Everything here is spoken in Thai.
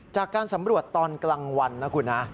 จากการสำรวจตอนกลางวันนะคุณนะ